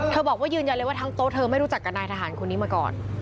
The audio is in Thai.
บอกว่ายืนยันเลยว่าทั้งโต๊ะเธอไม่รู้จักกับนายทหารคนนี้มาก่อน